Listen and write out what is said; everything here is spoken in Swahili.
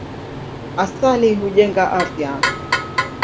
Asali hujenga afya.